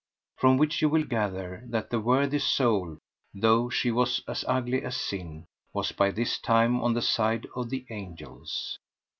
From which you will gather that the worthy soul, though she was as ugly as sin, was by this time on the side of the angels.